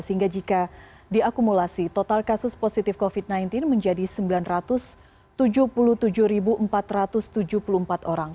sehingga jika diakumulasi total kasus positif covid sembilan belas menjadi sembilan ratus tujuh puluh tujuh empat ratus tujuh puluh empat orang